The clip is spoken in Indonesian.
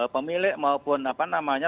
pemilik maupun apa namanya